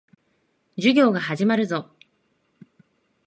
授業が始まるぞ。